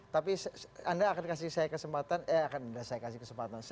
tapi saya akan kasih anda kesempatan tapi usah jeda seperti biasa